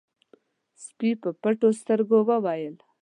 سپي په پټو سترګو وويل: